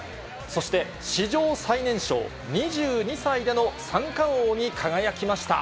そして、史上最年少２２歳での三冠王に輝きました。